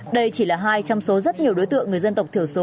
đây chỉ là hai trăm linh số rất nhiều đối tượng người dân tộc thiểu số